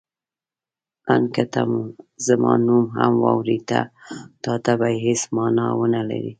آن که ته زما نوم هم واورې تا ته به هېڅ مانا ونه لري.